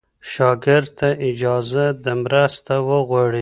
شاګرد ته اجازه ده مرسته وغواړي.